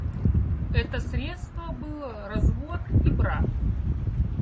Это средство было развод и брак.